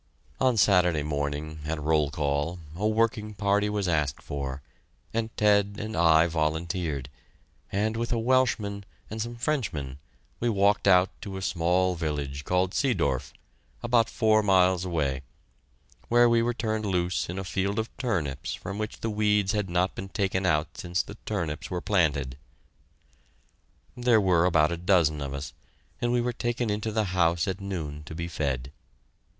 On Saturday morning, at roll call, a working party was asked for, and Ted and I volunteered, and with a Welshman and some Frenchmen, we walked out to a small village called Seedorf, about four miles away, where we were turned loose in a field of turnips from which the weeds had not been taken out since the turnips were planted. There were about a dozen of us, and we were taken into the house at noon to be fed.